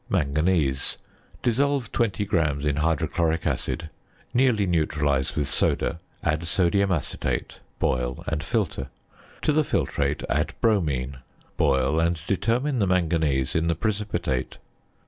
~Manganese.~ Dissolve 20 grams in hydrochloric acid, nearly neutralise with soda, add sodium acetate, boil, and filter. To the filtrate add bromine; boil, and determine the manganese in the precipitate.